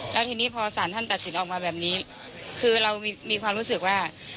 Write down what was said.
แล้วทีนี้พอสารท่านตัดสินออกมาแบบนี้คือเรามีความรู้สึกว่า